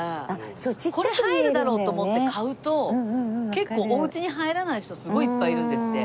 これ入るだろうと思って買うと結構お家に入らない人すごいいっぱいいるんですって。